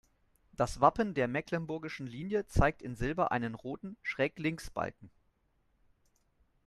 Das Wappen der mecklenburgischen Linie zeigt in Silber einen roten Schräglinksbalken.